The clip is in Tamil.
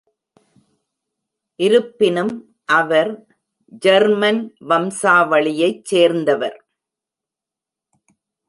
இருப்பினும், அவர் ஜெர்மன் வம்சாவளியைச் சேர்ந்தவர்.